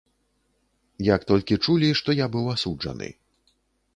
Як толькі чулі, што я быў асуджаны.